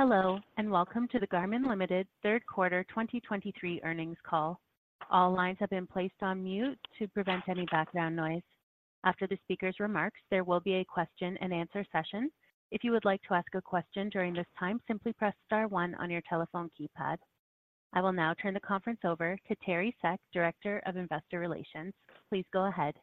Hello, and welcome to the Garmin Ltd. third quarter 2023 earnings call. All lines have been placed on mute to prevent any background noise. After the speaker's remarks, there will be a question and answer session. If you would like to ask a question during this time, simply press star one on your telephone keypad. I will now turn the conference over to Teri Seck, Director of Investor Relations. Please go ahead.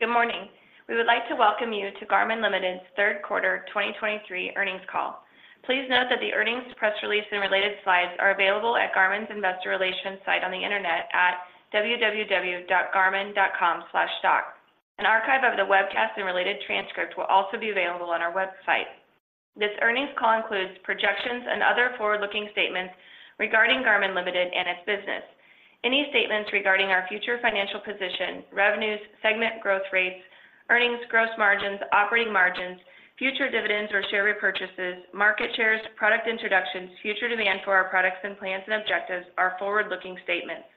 Good morning! We would like to welcome you to Garmin Limited's third quarter 2023 earnings call. Please note that the earnings press release and related slides are available at Garmin's Investor Relations site on the Internet at www.garmin.com/stock. An archive of the webcast and related transcript will also be available on our website. This earnings call includes projections and other forward-looking statements regarding Garmin Limited and its business. Any statements regarding our future financial position, revenues, segment growth rates, earnings, gross margins, operating margins, future dividends or share repurchases, market shares, product introductions, future demand for our products, and plans and objectives are forward-looking statements.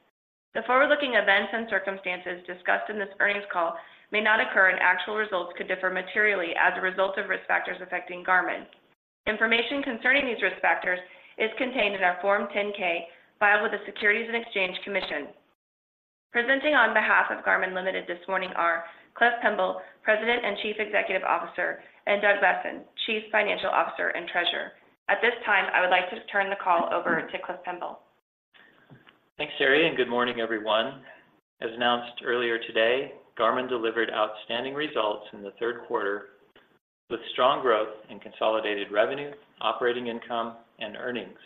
The forward-looking events and circumstances discussed in this earnings call may not occur, and actual results could differ materially as a result of risk factors affecting Garmin. Information concerning these risk factors is contained in our Form 10-K, filed with the Securities and Exchange Commission. Presenting on behalf of Garmin Ltd. this morning are Cliff Pemble, President and Chief Executive Officer, and Doug Boessen, Chief Financial Officer and Treasurer. At this time, I would like to turn the call over to Cliff Pemble. Thanks, Teri, and good morning, everyone. As announced earlier today, Garmin delivered outstanding results in the third quarter, with strong growth in consolidated revenue, operating income, and earnings.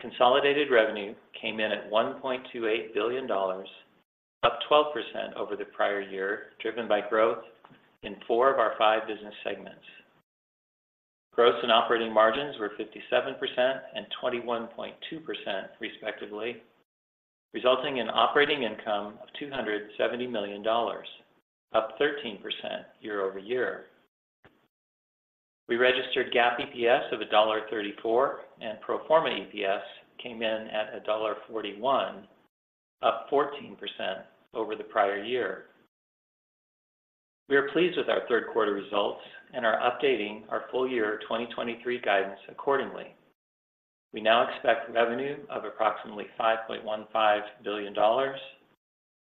Consolidated revenue came in at $1.28 billion, up 12% over the prior year, driven by growth in four of our five business segments. Gross and operating margins were 57% and 21.2%, respectively, resulting in operating income of $270 million, up 13% year-over-year. We registered GAAP EPS of $1.34, and pro forma EPS came in at $1.41, up 14% over the prior year. We are pleased with our third quarter results and are updating our full-year 2023 guidance accordingly. We now expect revenue of approximately $5.15 billion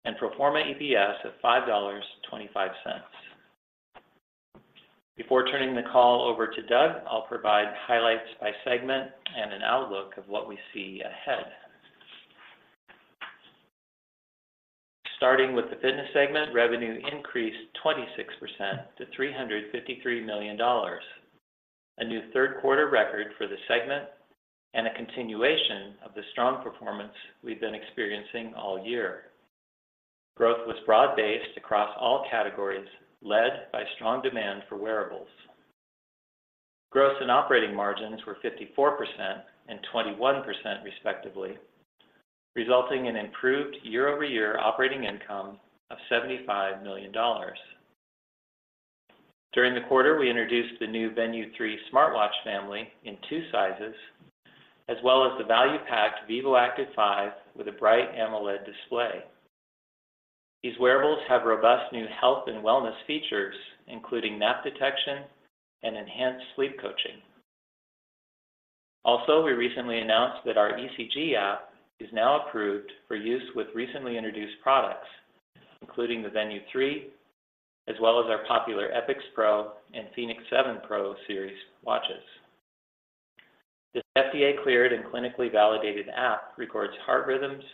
and pro forma EPS of $5.25. Before turning the call over to Doug, I'll provide highlights by segment and an outlook of what we see ahead. Starting with the Fitness segment, revenue increased 26% to $353 million, a new third quarter record for the segment and a continuation of the strong performance we've been experiencing all year. Growth was broad-based across all categories, led by strong demand for wearables. Gross and operating margins were 54% and 21%, respectively, resulting in improved year-over-year operating income of $75 million. During the quarter, we introduced the new Venu 3 smartwatch family in two sizes, as well as the value-packed vívoactive 5 with a bright AMOLED display. These wearables have robust new health and wellness features, including nap detection and enhanced sleep coaching. Also, we recently announced that our ECG app is now approved for use with recently introduced products, including the Venu 3, as well as our popular epix Pro and fēnix 7 Pro series watches. This FDA-cleared and clinically validated app records heart rhythms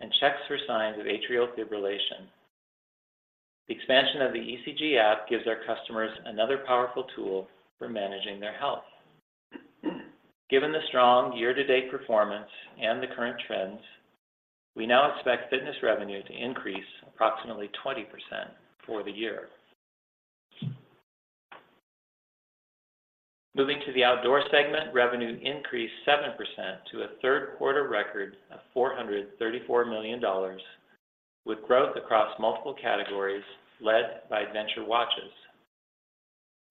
and checks for signs of atrial fibrillation. The expansion of the ECG app gives our customers another powerful tool for managing their health. Given the strong year-to-date performance and the current trends, we now expect Fitness revenue to increase approximately 20% for the year. Moving to the Outdoor segment, revenue increased 7% to a third quarter record of $434 million, with growth across multiple categories led by adventure watches.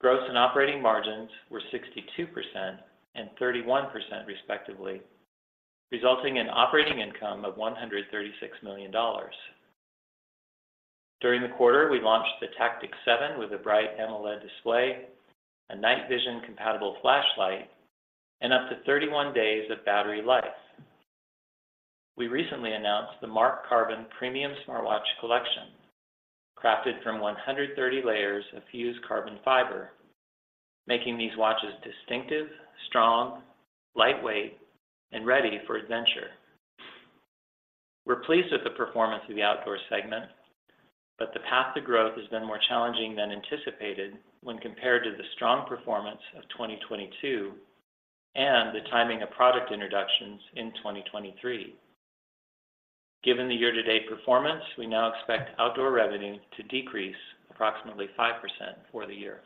Gross and operating margins were 62% and 31%, respectively, resulting in operating income of $136 million. During the quarter, we launched the tactix 7 with a bright AMOLED display, a night vision-compatible flashlight, and up to 31 days of battery life. We recently announced the MARQ Carbon premium smartwatch collection, crafted from 130 layers of fused carbon fiber, making these watches distinctive, strong, lightweight, and ready for adventure. We're pleased with the performance of the Outdoor segment, but the path to growth has been more challenging than anticipated when compared to the strong performance of 2022 and the timing of product introductions in 2023. Given the year-to-date performance, we now expect Outdoor revenue to decrease approximately 5% for the year.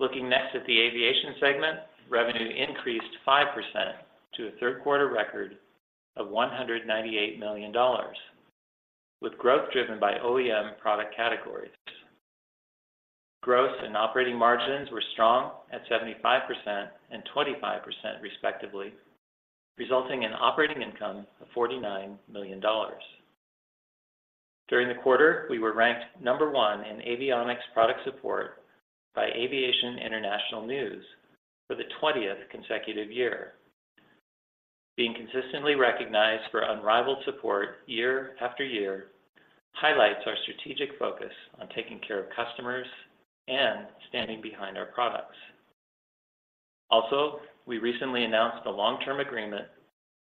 Looking next at the Aviation segment, revenue increased 5% to a third quarter record of $198 million, with growth driven by OEM product categories. Growth and operating margins were strong at 75% and 25% respectively, resulting in operating income of $49 million. During the quarter, we were ranked number one in Avionics Product Support by Aviation International News for the 20th consecutive year. Being consistently recognized for unrivaled support year after year, highlights our strategic focus on taking care of customers and standing behind our products. Also, we recently announced a long-term agreement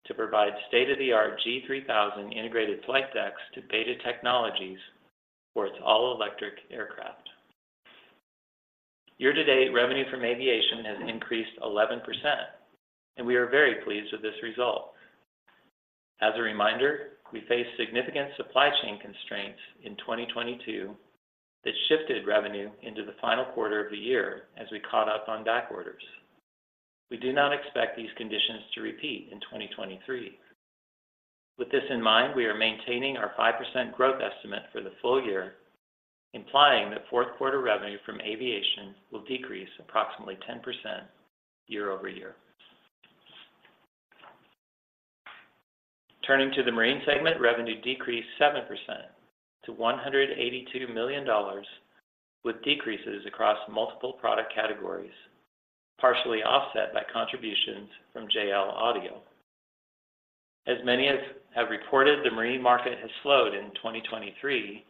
to provide state-of-the-art G3000 integrated flight decks to BETA Technologies for its all-electric aircraft. Year-to-date, revenue from aviation has increased 11%, and we are very pleased with this result. As a reminder, we faced significant supply chain constraints in 2022 that shifted revenue into the final quarter of the year as we caught up on back orders. We do not expect these conditions to repeat in 2023. With this in mind, we are maintaining our 5% growth estimate for the full year, implying that fourth quarter revenue from aviation will decrease approximately 10% year-over-year. Turning to the Marine segment, revenue decreased 7% to $182 million, with decreases across multiple product categories, partially offset by contributions from JL Audio. As many have reported, the marine market has slowed in 2023,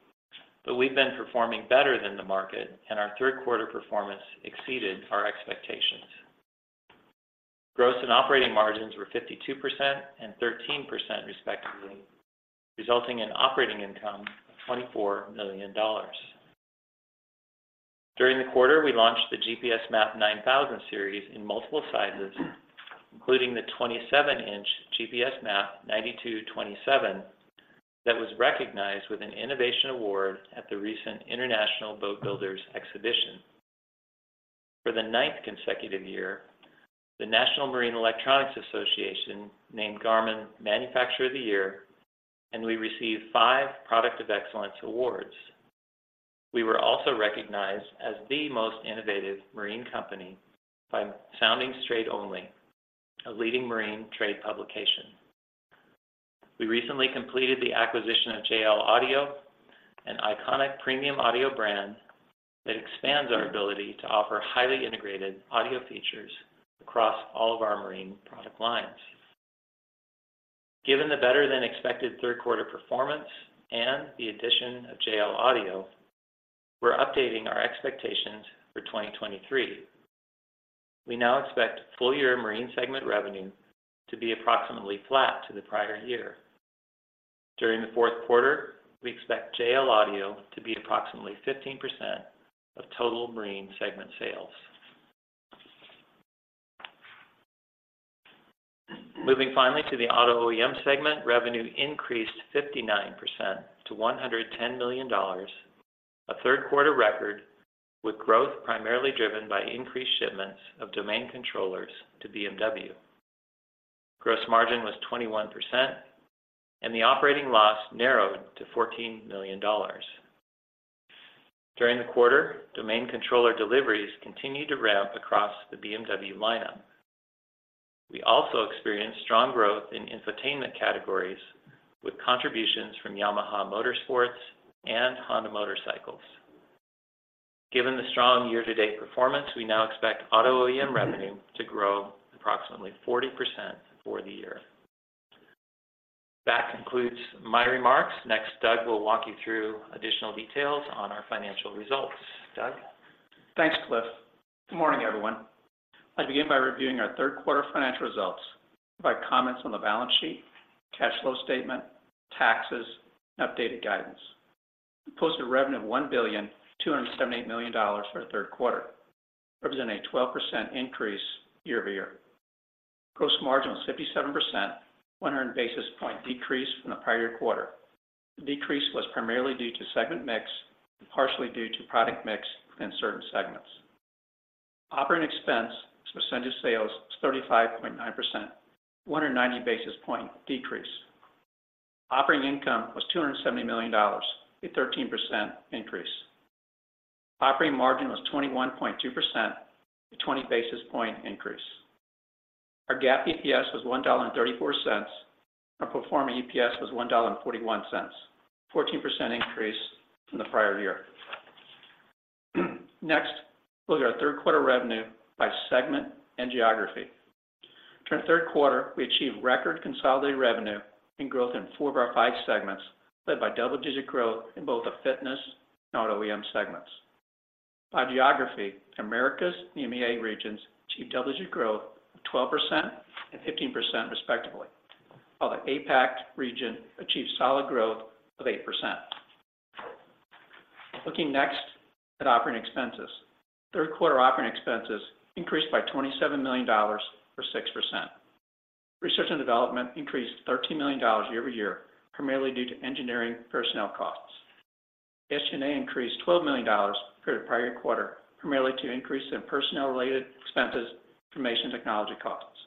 but we've been performing better than the market, and our third quarter performance exceeded our expectations. Gross and operating margins were 52% and 13%, respectively, resulting in operating income of $24 million. During the quarter, we launched the GPSMAP 9000 series in multiple sizes, including the 27-inch GPSMAP 9227, that was recognized with an innovation award at the recent International Boatbuilders' Exhibition. For the ninth consecutive year, the National Marine Electronics Association named Garmin Manufacturer of the Year, and we received five Product of Excellence awards. We were also recognized as the most innovative marine company by Soundings Trade Only, a leading marine trade publication. We recently completed the acquisition of JL Audio, an iconic premium audio brand that expands our ability to offer highly integrated audio features across all of our marine product lines. Given the better-than-expected third quarter performance and the addition of JL Audio, we're updating our expectations for 2023. We now expect full-year Marine segment revenue to be approximately flat to the prior year. During the fourth quarter, we expect JL Audio to be approximately 15% of total Marine segment sales. Moving finally to the Auto OEM segment, revenue increased 59% to $110 million, a third quarter record, with growth primarily driven by increased shipments of domain controllers to BMW. Gross margin was 21%, and the operating loss narrowed to $14 million. During the quarter, domain controller deliveries continued to ramp across the BMW lineup. We also experienced strong growth in infotainment categories, with contributions from Yamaha Motorsports and Honda Motorcycles. Given the strong year-to-date performance, we now expect Auto OEM revenue to grow approximately 40% for the year. That concludes my remarks. Next, Doug will walk you through additional details on our financial results. Doug? Thanks, Cliff. Good morning, everyone. I'll begin by reviewing our third quarter financial results and comments on the balance sheet, cash flow statement, taxes, and updated guidance. We posted a revenue of $1.278 billion for the third quarter, representing a 12% increase year-over-year. Gross margin was 57%, 100 basis point decrease from the prior quarter. The decrease was primarily due to segment mix and partially due to product mix in certain segments. Operating expense as a percent of sales was 35.9%, 190 basis point decrease. Operating income was $270 million, a 13% increase. Operating margin was 21.2%, a 20 basis point increase. Our GAAP EPS was $1.34. Our pro forma EPS was $1.41, 14% increase from the prior year. Next, look at our third quarter revenue by segment and geography. During the third quarter, we achieved record consolidated revenue and growth in four of our five segments, led by double-digit growth in both the Fitness and Auto OEM segments. By geography, Americas and EMEA regions achieved double-digit growth of 12% and 15%, respectively, while the APAC region achieved solid growth of 8%. Looking next at operating expenses. Third quarter operating expenses increased by $27 million, or 6%. Research and development increased $13 million year over year, primarily due to engineering personnel costs. SG&A increased $12 million for the prior quarter, primarily to increase in personnel-related expenses, information technology costs.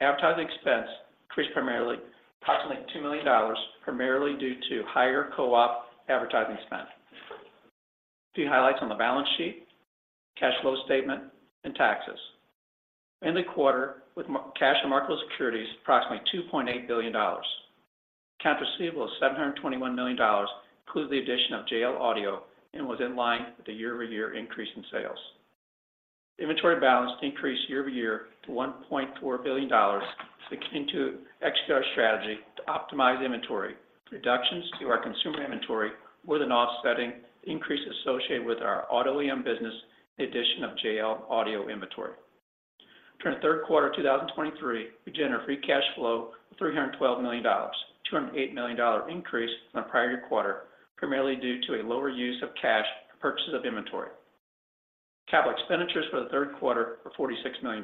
Advertising expense increased primarily approximately $2 million, primarily due to higher co-op advertising spend. A few highlights on the balance sheet, cash flow statement, and taxes. In the quarter, with cash and marketable securities, approximately $2.8 billion. Accounts receivable of $721 million, including the addition of JL Audio, and was in line with the year-over-year increase in sales. Inventory balance increased year-over-year to $1.4 billion to continue to execute our strategy to optimize inventory. Reductions to our consumer inventory, with an offsetting increase associated with our Auto OEM business, the addition of JL Audio inventory. During the third quarter of 2023, we generated free cash flow of $312 million, $208 million increase from the prior year quarter, primarily due to a lower use of cash for purchases of inventory. Capital expenditures for the third quarter were $46 million.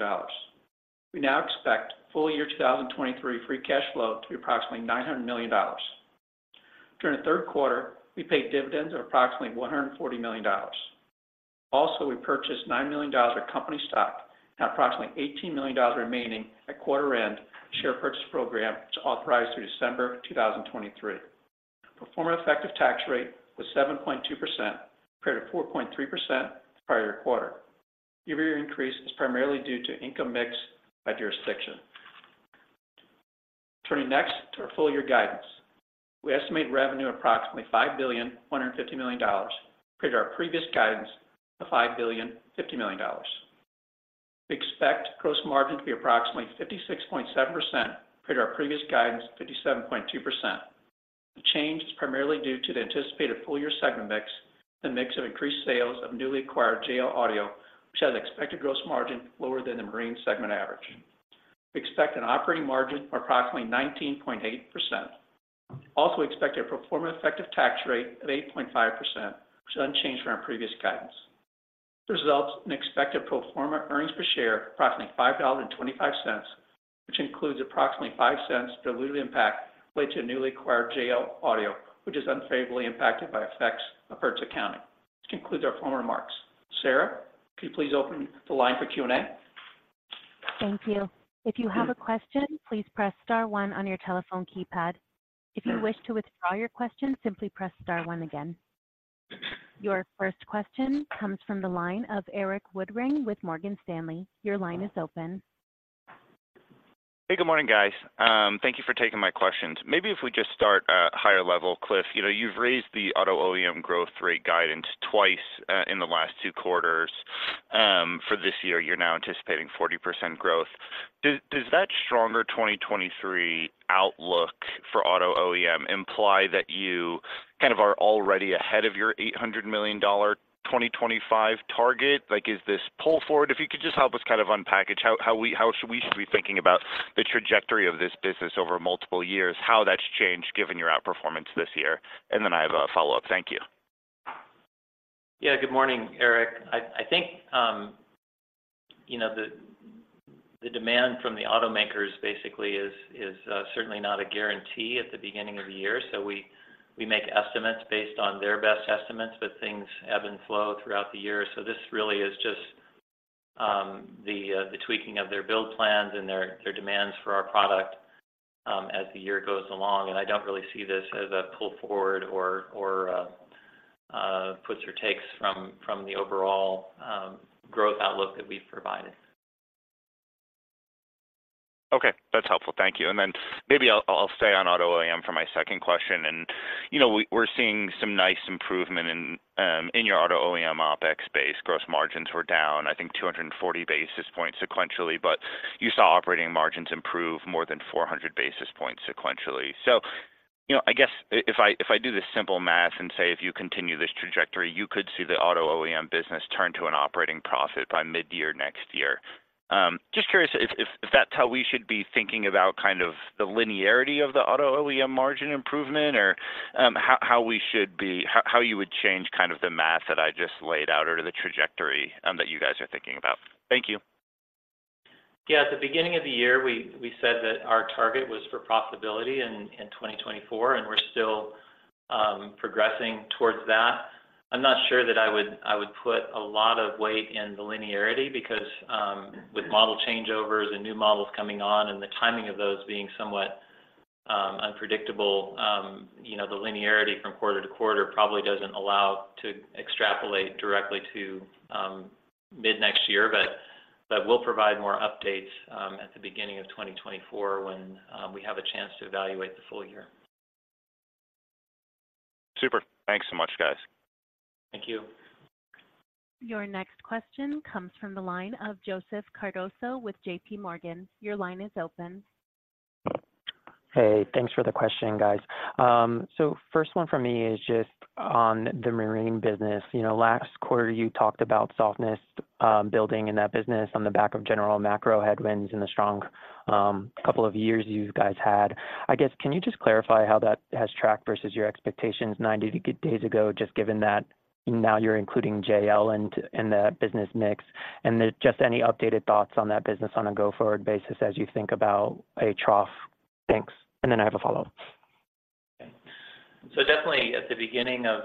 We now expect full year 2023 free cash flow to be approximately $900 million. During the third quarter, we paid dividends of approximately $140 million. Also, we purchased $9 million of company stock and approximately $18 million remaining at quarter-end share purchase program, which is authorized through December 2023. Pro forma effective tax rate was 7.2%, compared to 4.3% the prior quarter. Year-over-year increase is primarily due to income mix by jurisdiction. Turning next to our full year guidance. We estimate revenue approximately $5.15 billion, compared to our previous guidance of $5.05 billion. We expect gross margin to be approximately 56.7%, compared to our previous guidance of 57.2%. The change is primarily due to the anticipated full year segment mix, the mix of increased sales of newly acquired JL Audio, which has expected gross margin lower than the Marine segment average. We expect an operating margin of approximately 19.8%. Also, we expect a pro forma effective tax rate of 8.5%, which is unchanged from our previous guidance. This results in expected pro forma earnings per share of approximately $5.25, which includes approximately $0.05 dilutive impact related to the newly acquired JL Audio, which is unfavorably impacted by effects of purchase accounting. This concludes our formal remarks. Sarah, could you please open the line for Q&A? Thank you. If you have a question, please press star one on your telephone keypad. If you wish to withdraw your question, simply press star one again. Your first question comes from the line of Erik Woodring with Morgan Stanley. Your line is open. Hey, good morning, guys. Thank you for taking my questions. Maybe if we just start at a higher level, Cliff. You know, you've raised the auto OEM growth rate guidance twice in the last two quarters. For this year, you're now anticipating 40% growth. Does that stronger 2023 outlook for auto OEM imply that you kind of are already ahead of your $800 million 2025 target? Like, is this pull forward? If you could just help us kind of unpackage how we should be thinking about the trajectory of this business over multiple years, how that's changed given your outperformance this year. Then I have a follow-up. Thank you. Yeah. Good morning, Eric. I think, you know, the demand from the automakers basically is certainly not a guarantee at the beginning of the year. So we make estimates based on their best estimates, but things ebb and flow throughout the year. So this really is just the tweaking of their build plans and their demands for our product, as the year goes along. And I don't really see this as a pull forward or puts or takes from the overall growth outlook that we've provided. Okay. That's helpful. Thank you. And then maybe I'll stay on auto OEM for my second question. And, you know, we're seeing some nice improvement in your auto OEM OpEx base. Gross margins were down, I think 240 basis points sequentially, but you saw operating margins improve more than 400 basis points sequentially. So, you know, I guess if I do this simple math and say, if you continue this trajectory, you could see the auto OEM business turn to an operating profit by mid-year next year. Just curious if that's how we should be thinking about kind of the linearity of the auto OEM margin improvement, or how we should be. How you would change kind of the math that I just laid out or the trajectory that you guys are thinking about? Thank you. Yeah. At the beginning of the year, we said that our target was for profitability in 2024, and we're still progressing towards that. I'm not sure that I would put a lot of weight in the linearity, because with model changeovers and new models coming on and the timing of those being somewhat unpredictable, you know, the linearity from quarter to quarter probably doesn't allow to extrapolate directly to mid-next year. But we'll provide more updates at the beginning of 2024 when we have a chance to evaluate the full year. Super. Thanks so much, guys. Thank you. Your next question comes from the line of Joseph Cardoso with JPMorgan. Your line is open. Hey, thanks for the question, guys. So first one for me is just on the Marine business. You know, last quarter, you talked about softness building in that business on the back of general macro headwinds and the strong couple of years you guys had. I guess, can you just clarify how that has tracked versus your expectations 90 days ago, just given that now you're including JL and the business mix? And then just any updated thoughts on that business on a go-forward basis as you think about a trough. Thanks. And then I have a follow-up.... So definitely at the beginning of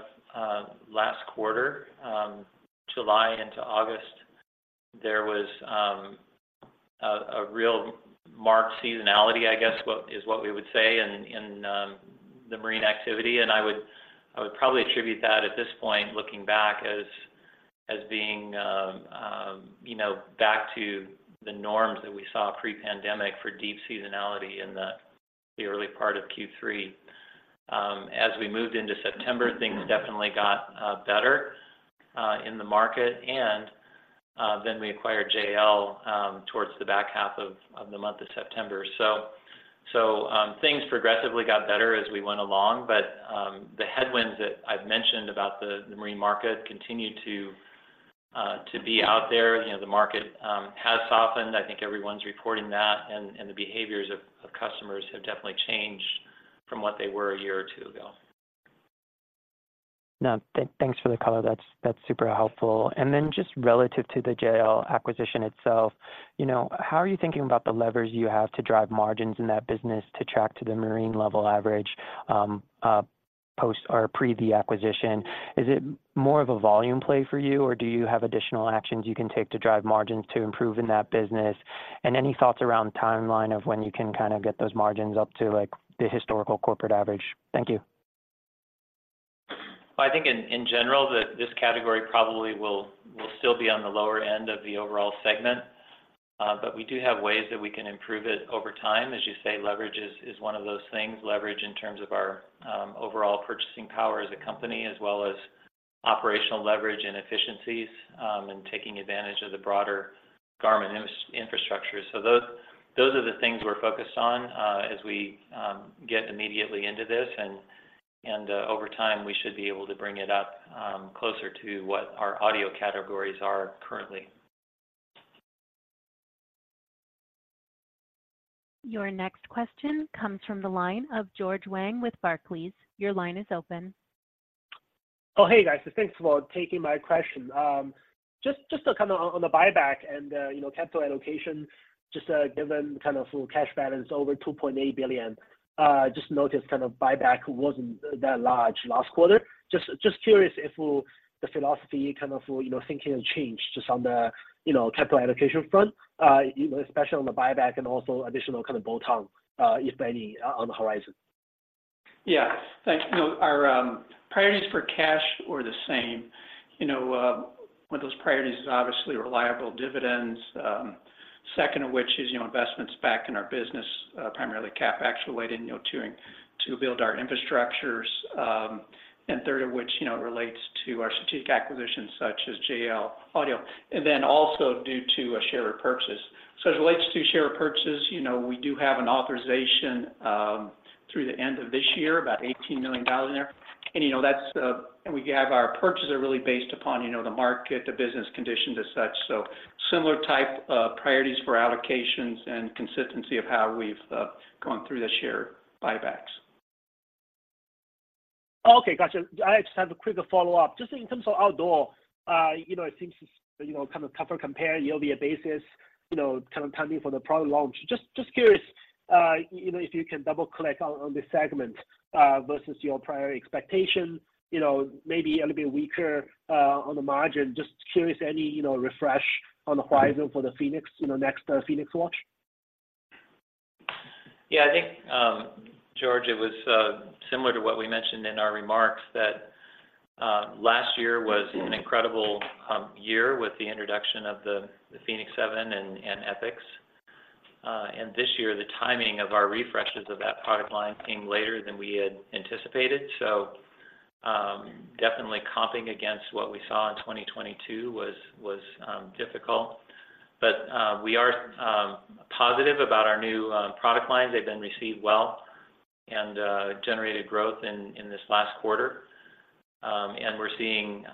last quarter, July into August, there was a real marked seasonality, I guess, what is what we would say in the marine activity. And I would probably attribute that at this point, looking back, as being you know, back to the norms that we saw pre-pandemic for deep seasonality in the early part of Q3. As we moved into September, things definitely got better in the market, and then we acquired JL towards the back half of the month of September. So things progressively got better as we went along. But the headwinds that I've mentioned about the marine market continued to be out there. You know, the market has softened. I think everyone's reporting that, and the behaviors of customers have definitely changed from what they were a year or two ago. No, thanks for the color. That's super helpful. And then just relative to the JL acquisition itself, you know, how are you thinking about the levers you have to drive margins in that business to track to the marine level average, post or pre the acquisition? Is it more of a volume play for you, or do you have additional actions you can take to drive margins to improve in that business? And any thoughts around the timeline of when you can kind of get those margins up to, like, the historical corporate average? Thank you. Well, I think in general, that this category probably will still be on the lower end of the overall segment. But we do have ways that we can improve it over time. As you say, leverage is one of those things, leverage in terms of our overall purchasing power as a company, as well as operational leverage and efficiencies, and taking advantage of the broader Garmin infrastructure. So those are the things we're focused on, as we get immediately into this, and over time, we should be able to bring it up, closer to what our audio categories are currently. Your next question comes from the line of George Wang with Barclays. Your line is open. Oh, hey, guys. So thanks for taking my question. Just to kind of on the buyback and, you know, capital allocation, just given kind of cash balance over $2.8 billion, just noticed kind of buyback wasn't that large last quarter. Just curious if the philosophy kind of, you know, thinking has changed just on the, you know, capital allocation front, you know, especially on the buyback and also additional kind of bolt-on, if any, on the horizon. Yeah. Thanks. You know, our priorities for cash were the same. You know, one of those priorities is obviously reliable dividends. Second of which is, you know, investments back in our business, primarily CapEx related, you know, to build our infrastructures. And third of which, you know, relates to our strategic acquisitions, such as JL Audio, and then also due to a share repurchase. So as it relates to share purchases, you know, we do have an authorization through the end of this year, about $18 million in there. And, you know, that's. And we have our purchases are really based upon, you know, the market, the business conditions, as such. So similar type of priorities for allocations and consistency of how we've gone through the share buybacks. Okay, gotcha. I just have a quick follow-up. Just in terms of Outdoor, you know, it seems, you know, kind of tougher compare year-over-year basis, you know, kind of timing for the product launch. Just, just curious, you know, if you can double-click on, on this segment versus your prior expectations, you know, maybe a little bit weaker on the margin. Just curious, any, you know, refresh on the horizon for the fēnix, you know, next fēnix watch? Yeah, I think, George, it was similar to what we mentioned in our remarks, that last year was an incredible year with the introduction of the, the fēnix 7 and, and epix. And this year, the timing of our refreshes of that product line came later than we had anticipated. So, definitely comping against what we saw in 2022 was, was difficult. But we are positive about our new product lines. They've been received well and generated growth in, in this last quarter. And we're seeing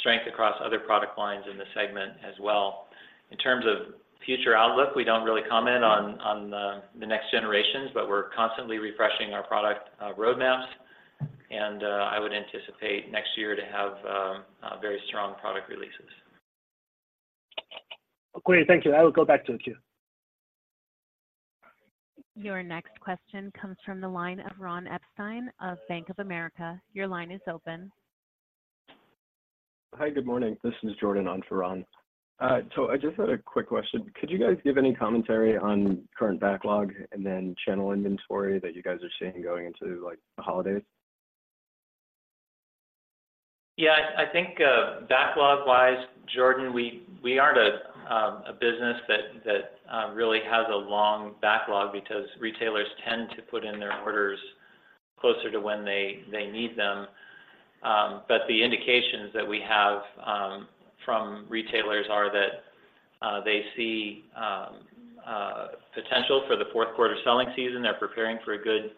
strength across other product lines in the segment as well. In terms of future outlook, we don't really comment on, on the, the next generations, but we're constantly refreshing our product roadmaps. And I would anticipate next year to have very strong product releases. Great. Thank you. I will go back to the queue. Your next question comes from the line of Ron Epstein of Bank of America. Your line is open. Hi, good morning. This is Jordan on for Ron. So I just had a quick question. Could you guys give any commentary on current backlog and then channel inventory that you guys are seeing going into, like, the holidays? Yeah, I think, backlog-wise, Jordan, we aren't a business that really has a long backlog because retailers tend to put in their orders closer to when they need them. But the indications that we have from retailers are that they see potential for the fourth quarter selling season. They're preparing for a good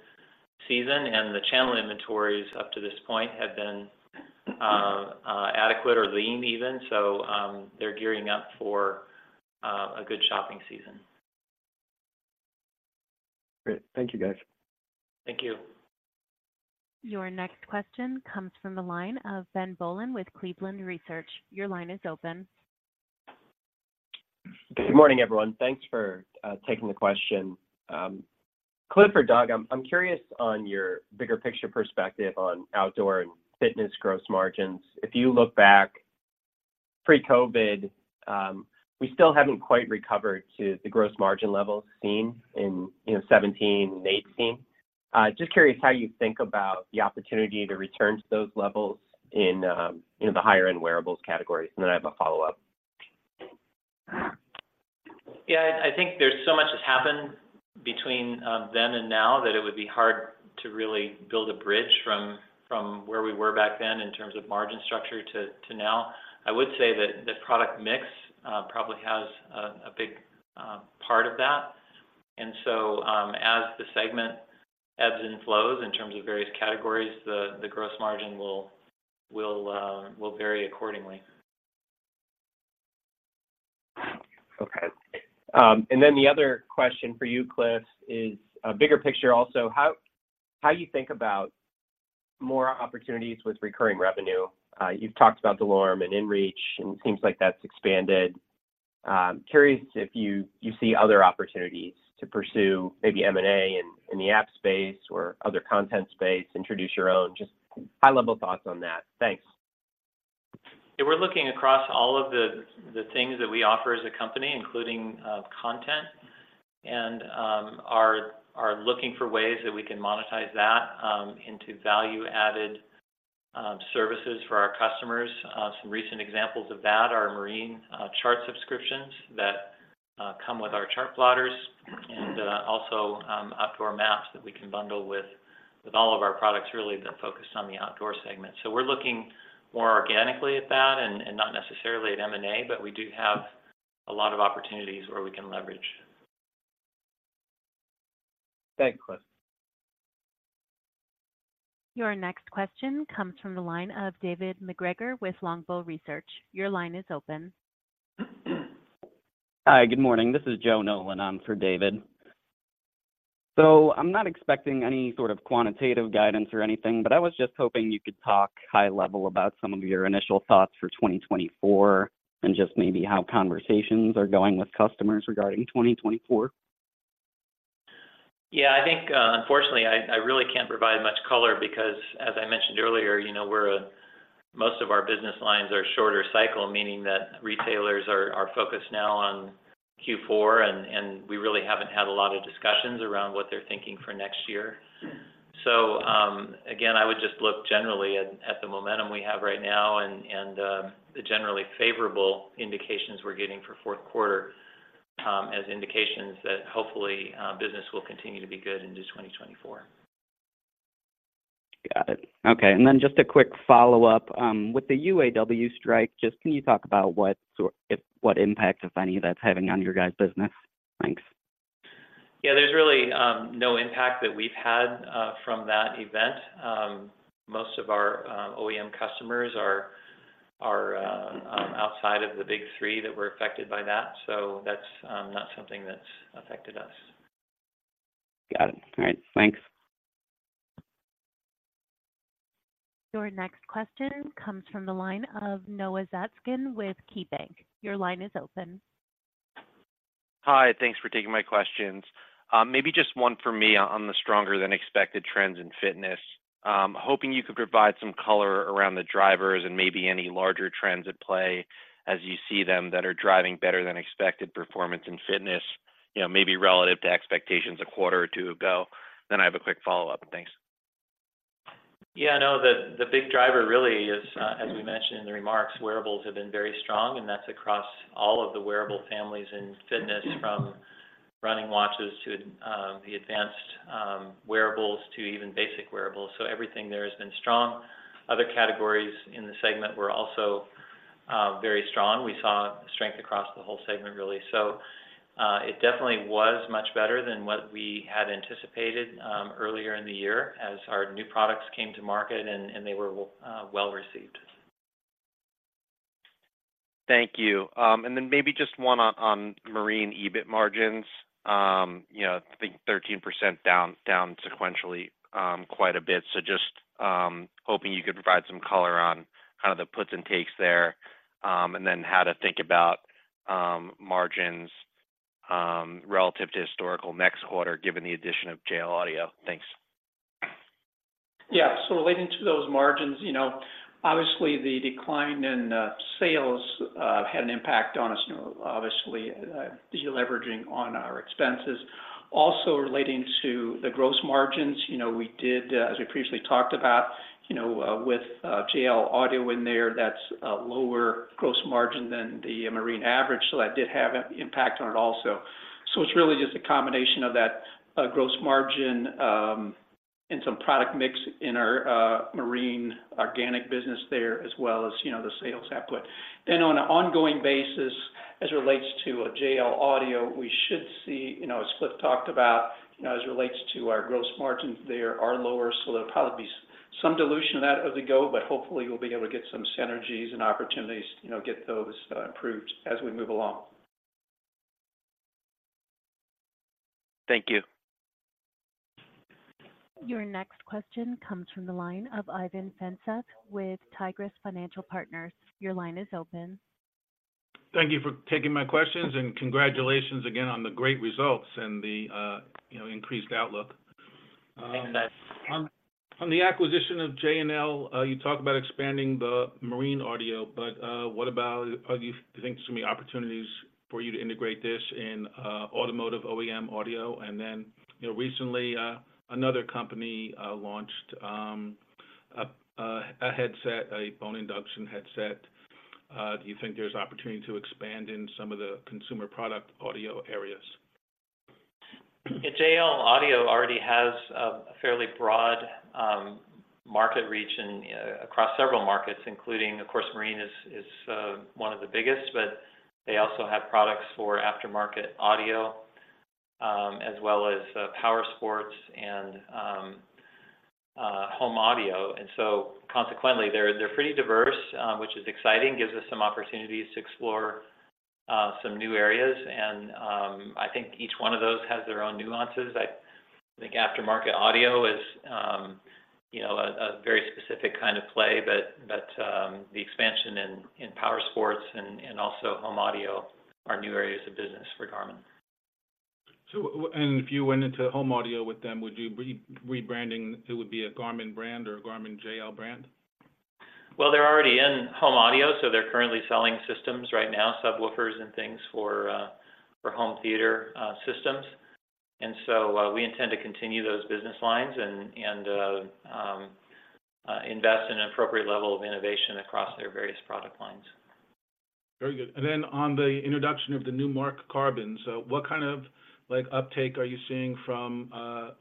season, and the channel inventories up to this point have been adequate or lean even. So, they're gearing up for a good shopping season. Great. Thank you, guys. Thank you. Your next question comes from the line of Ben Bollin with Cleveland Research. Your line is open.... Good morning, everyone. Thanks for taking the question. Cliff or Doug, I'm curious on your bigger picture perspective on Outdoor and Fitness gross margins. If you look back pre-COVID, we still haven't quite recovered to the gross margin levels seen in, you know, 2017, 2018. Just curious how you think about the opportunity to return to those levels in, you know, the higher end wearables categories? And then I have a follow-up. Yeah, I think there's so much has happened between then and now, that it would be hard to really build a bridge from where we were back then in terms of margin structure to now. I would say that product mix probably has a big part of that. And so, as the segment ebbs and flows in terms of various categories, the gross margin will vary accordingly. Okay. Then the other question for you, Cliff, is a bigger picture also. How you think about more opportunities with recurring revenue? You've talked about DeLorme and inReach, and it seems like that's expanded. Curious if you see other opportunities to pursue, maybe M&A in the app space or other content space, introduce your own. Just high-level thoughts on that. Thanks. Yeah, we're looking across all of the things that we offer as a company, including content, and are looking for ways that we can monetize that into value-added services for our customers. Some recent examples of that are marine chart subscriptions that come with our chartplotters, and also outdoor maps that we can bundle with all of our products really, that focus on the outdoor segment. So we're looking more organically at that, and not necessarily at M&A, but we do have a lot of opportunities where we can leverage. Thanks, Cliff. Your next question comes from the line of David MacGregor with Longbow Research. Your line is open. Hi, good morning. This is Joe Nolan, in for David. So I'm not expecting any sort of quantitative guidance or anything, but I was just hoping you could talk high level about some of your initial thoughts for 2024, and just maybe how conversations are going with customers regarding 2024. Yeah, I think, unfortunately, I really can't provide much color because, as I mentioned earlier, you know, we're most of our business lines are shorter cycle, meaning that retailers are focused now on Q4, and we really haven't had a lot of discussions around what they're thinking for next year. So, again, I would just look generally at the momentum we have right now and the generally favorable indications we're getting for fourth quarter, as indications that hopefully business will continue to be good into 2024. Got it. Okay, and then just a quick follow-up. With the UAW strike, just can you talk about what impact, if any, that's having on your guys' business? Thanks. Yeah, there's really no impact that we've had from that event. Most of our OEM customers are outside of the Big Three that were affected by that, so that's not something that's affected us. Got it. All right, thanks. Your next question comes from the line of Noah Zatzkin with KeyBanc. Your line is open. Hi, thanks for taking my questions. Maybe just one for me on the stronger-than-expected trends in fitness. Hoping you could provide some color around the drivers and maybe any larger trends at play as you see them, that are driving better-than-expected performance in fitness, you know, maybe relative to expectations a quarter or two ago. Then I have a quick follow-up. Thanks. Yeah, no, the big driver really is, as we mentioned in the remarks, wearables have been very strong, and that's across all of the wearable families in fitness, from running watches to the advanced wearables, to even basic wearables. So everything there has been strong. Other categories in the segment were also very strong. We saw strength across the whole segment, really. So, it definitely was much better than what we had anticipated earlier in the year as our new products came to market and they were well received. Thank you. And then maybe just one on marine EBIT margins. You know, I think 13% down sequentially, quite a bit. So just hoping you could provide some color on kind of the puts and takes there, and then how to think about margins relative to historical next quarter, given the addition of JL Audio. Thanks. Yeah. So relating to those margins, you know, obviously, the decline in sales had an impact on us, you know, obviously, deleveraging on our expenses. Also, relating to the gross margins, you know, we did, as we previously talked about, you know, with JL Audio in there, that's a lower gross margin than the marine average, so that did have an impact on it also. So it's really just a combination of that, gross margin, and some product mix in our marine organic business there, as well as, you know, the sales output. Then on an ongoing basis, as it relates to JL Audio, we should see, you know, as Cliff talked about, you know, as it relates to our gross margins, they are lower, so there'll probably be some dilution out of the gate, but hopefully, we'll be able to get some synergies and opportunities, you know, get those improved as we move along.... Thank you. Your next question comes from the line of Ivan Feinseth with Tigress Financial Partners. Your line is open. Thank you for taking my questions, and congratulations again on the great results and the, you know, increased outlook. Thanks. On the acquisition of JL Audio, you talked about expanding the marine audio, but what about do you think there's gonna be opportunities for you to integrate this in automotive OEM audio? And then, you know, recently, another company launched a bone conduction headset. Do you think there's opportunity to expand in some of the consumer product audio areas? Yeah, JL Audio already has a fairly broad market reach in across several markets, including, of course, marine is one of the biggest. But they also have products for aftermarket audio, as well as powersports and home audio. And so consequently, they're pretty diverse, which is exciting, gives us some opportunities to explore some new areas, and I think each one of those has their own nuances. I think aftermarket audio is, you know, a very specific kind of play, but the expansion in powersports and also home audio are new areas of business for Garmin. So, and if you went into home audio with them, would you be rebranding? It would be a Garmin brand or a Garmin JL brand? Well, they're already in home audio, so they're currently selling systems right now, subwoofers and things, for home theater systems. And so, we intend to continue those business lines and invest in an appropriate level of innovation across their various product lines. Very good. And then on the introduction of the new MARQ Carbon, so what kind of, like, uptake are you seeing from,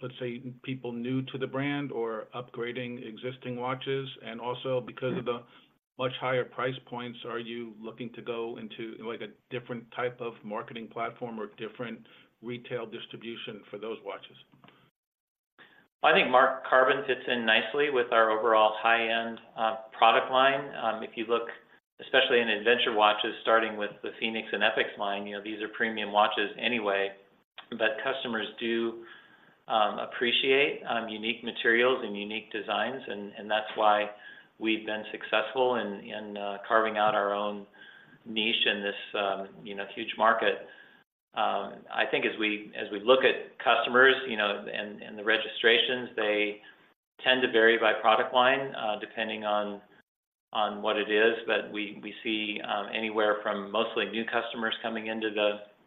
let's say, people new to the brand or upgrading existing watches? And also, because of the much higher price points, are you looking to go into, like, a different type of marketing platform or different retail distribution for those watches? I think MARQ Carbon fits in nicely with our overall high-end product line. If you look, especially in adventure watches, starting with the fēnix and epix line, you know, these are premium watches anyway. But customers do appreciate unique materials and unique designs, and that's why we've been successful in carving out our own niche in this, you know, huge market. I think as we look at customers, you know, and the registrations, they tend to vary by product line, depending on what it is. But we see anywhere from mostly new customers coming into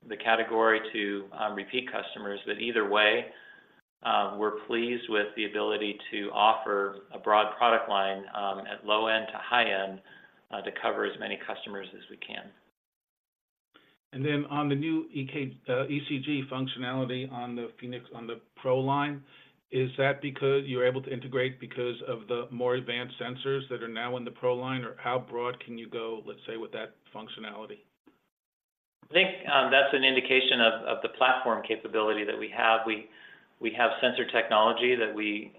the category to repeat customers. But either way, we're pleased with the ability to offer a broad product line at low end to high end to cover as many customers as we can. And then on the new ECG functionality on the fēnix, on the Pro line, is that because you're able to integrate because of the more advanced sensors that are now in the Pro line, or how broad can you go, let's say, with that functionality? I think, that's an indication of the platform capability that we have. We have sensor technology that we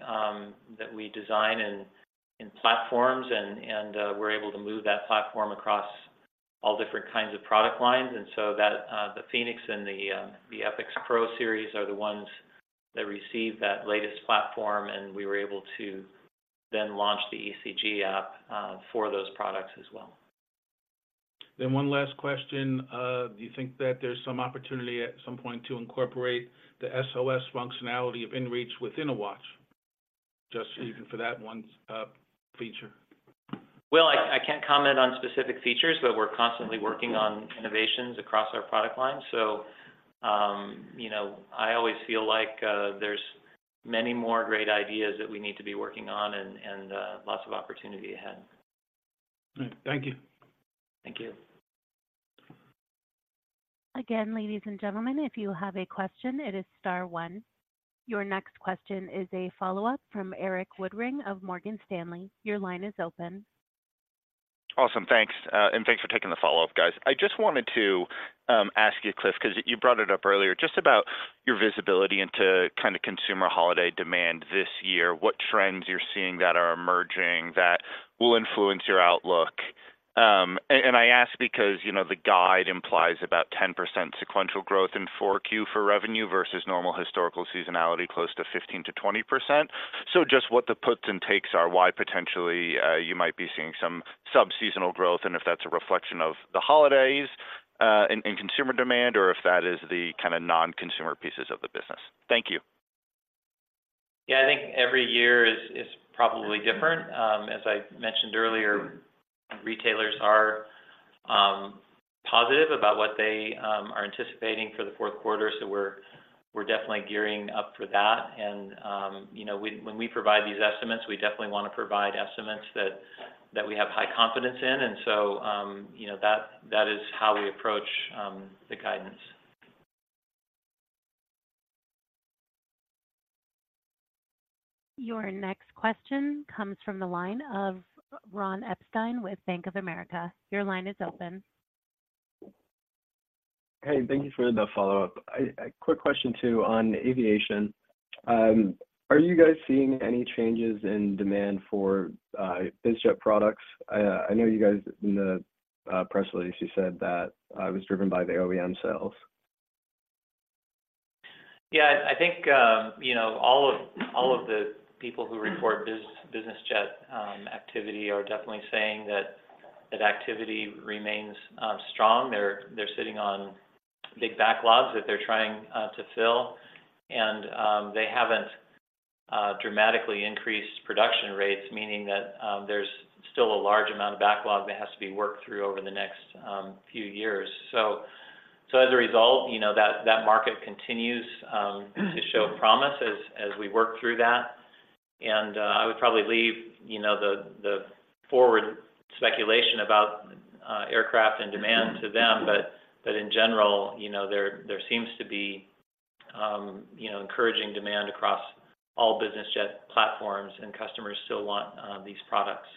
design in platforms, and we're able to move that platform across all different kinds of product lines. And so that, the fēnix and the epix Pro Series are the ones that receive that latest platform, and we were able to then launch the ECG app for those products as well. Then one last question. Do you think that there's some opportunity at some point to incorporate the SOS functionality of inReach within a watch, just even for that one feature? Well, I can't comment on specific features, but we're constantly working on innovations across our product line. So, you know, I always feel like there's many more great ideas that we need to be working on and lots of opportunity ahead. All right. Thank you. Thank you. Again, ladies and gentlemen, if you have a question, it is star one. Your next question is a follow-up from Erik Woodring of Morgan Stanley. Your line is open. Awesome. Thanks, and thanks for taking the follow-up, guys. I just wanted to ask you, Cliff, 'cause you brought it up earlier, just about your visibility into kind of consumer holiday demand this year, what trends you're seeing that are emerging that will influence your outlook? And I ask because, you know, the guide implies about 10% sequential growth in Q4 for revenue versus normal historical seasonality, close to 15%-20%. So just what the puts and takes are, why potentially you might be seeing some sub-seasonal growth, and if that's a reflection of the holidays in consumer demand, or if that is the kind of non-consumer pieces of the business. Thank you. Yeah, I think every year is probably different. As I mentioned earlier, retailers are positive about what they are anticipating for the fourth quarter, so we're definitely gearing up for that. And, you know, when we provide these estimates, we definitely want to provide estimates that we have high confidence in, and so, you know, that is how we approach the guidance. Your next question comes from the line of Ron Epstein with Bank of America. Your line is open. Hey, thank you for the follow-up. A quick question, too, on aviation. Are you guys seeing any changes in demand for business jet products? I know you guys in the press release, you said that it was driven by the OEM sales. Yeah, I think, you know, all of the people who report business jet activity are definitely saying that activity remains strong. They're sitting on big backlogs that they're trying to fill, and they haven't dramatically increased production rates, meaning that there's still a large amount of backlog that has to be worked through over the next few years. So as a result, you know, that market continues to show promise as we work through that. And I would probably leave, you know, the forward speculation about aircraft and demand to them. But in general, you know, there seems to be, you know, encouraging demand across all business jet platforms, and customers still want these products.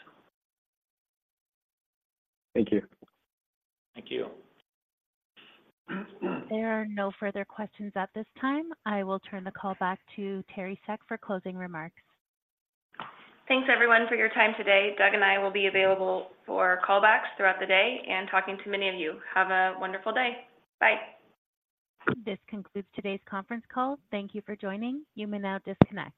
Thank you. Thank you. There are no further questions at this time. I will turn the call back to Teri Seck for closing remarks. Thanks, everyone, for your time today. Doug and I will be available for call backs throughout the day and talking to many of you. Have a wonderful day. Bye. This concludes today's conference call. Thank you for joining. You may now disconnect.